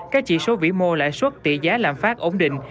các chỉ số vĩ mô lãi suất tỷ giá lạm phát ổn định